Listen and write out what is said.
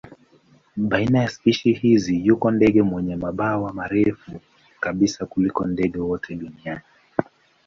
Baina ya spishi hizi yuko ndege wenye mabawa marefu kabisa kuliko ndege wote duniani.